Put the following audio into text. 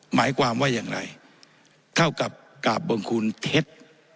หมายความว่าอย่างไรเท่ากับกราบบังคูณเท็จ